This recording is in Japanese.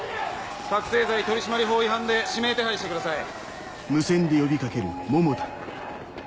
覚醒剤取締法違反で指名手配してください。